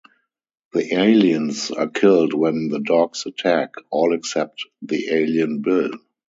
The aliens are killed when the dogs attack, all except the alien Bill.